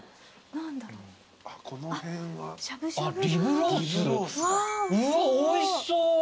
何だろう？